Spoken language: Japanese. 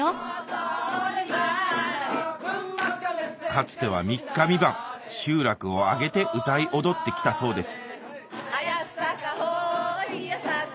かつては３日３晩集落を挙げて歌い踊ってきたそうです